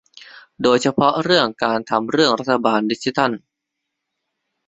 โดยเฉพาะเรื่องการทำเรื่องรัฐบาลดิจิทัล